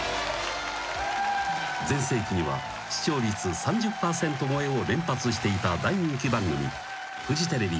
［全盛期には視聴率３０％超えを連発していた大人気番組フジテレビ］